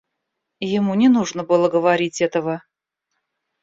Ему не нужно было говорить этого.